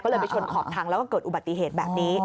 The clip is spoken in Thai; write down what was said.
ก็เลยไปชนขอบทางแล้วก็เกิดอุบัติเหตุแบบนี้